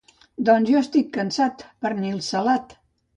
Doncs jo estic cansat, pernil salat!